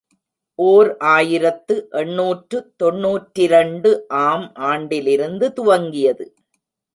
ஓர் ஆயிரத்து எண்ணூற்று தொன்னூற்றிரண்டு ஆம் ஆண்டிலிருந்து துவங்கியது.